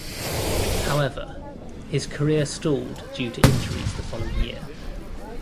However, his career stalled due to injuries the following year.